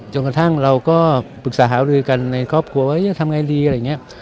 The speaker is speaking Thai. จนกระทั่งเราก็ปรึกษาหารือกันในครอบครัวว่าจะทำไงดีอะไรอย่างนี้